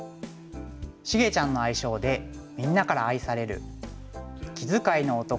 しげちゃんの愛称でみんなから愛される「気遣いの男」